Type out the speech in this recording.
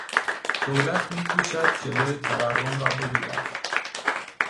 دولت میکوشد جلو تورم را بگیرد.